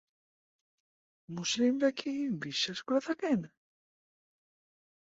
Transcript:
মুসলিমরা কি বিশ্বাস করে থাকেন?